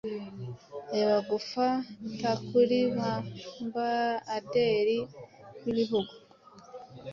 Reba gufatakuribambaaderi bibihugu